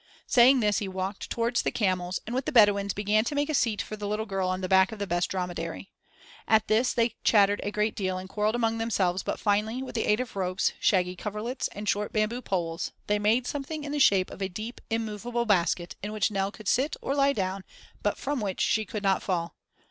Saying this he walked towards the camels and with the Bedouins began to make a seat for the little girl on the back of the best dromedary. At this they chattered a great deal and quarrelled among themselves but finally, with the aid of ropes, shaggy coverlets, and short bamboo poles they made something in the shape of a deep, immovable basket in which Nell could sit or lie down, but from which she could not fall.